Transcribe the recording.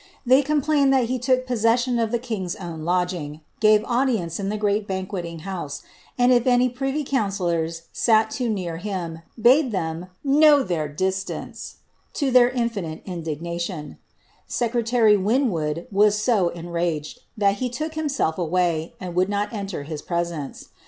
They complained that he took possession of the king's own lodging, gave audience in the great banqueting house, and if any privy councillors sat too near him, bade them ^ know their distance, to their infinite indig nation ; secretary Winwood was so enraged, that he took himself away, and would not enter his presence.